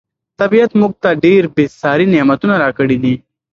طبیعت موږ ته ډېر بې ساري نعمتونه راکړي دي.